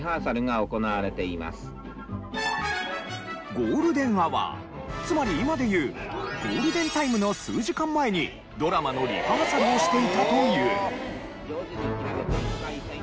ゴールデンアワーつまり今で言うゴールデンタイムの数時間前にドラマのリハーサルをしていたという。